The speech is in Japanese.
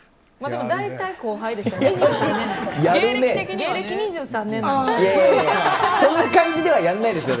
でも大体後輩ですよ